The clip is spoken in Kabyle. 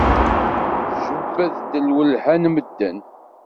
Tjebbed-d lwelha n medden.